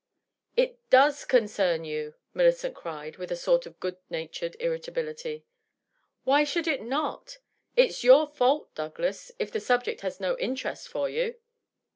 " It does concern you !" Millicent cried, with a sort of good natured irritability. "Why should it not? It's your fault, Douglas, if the subject has no interest for you."